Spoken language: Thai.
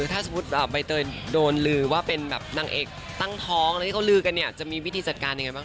ถ้าสมมุติใบเตยโดนลือว่าเป็นแบบนางเอกตั้งท้องอะไรที่เขาลือกันเนี่ยจะมีวิธีจัดการยังไงบ้าง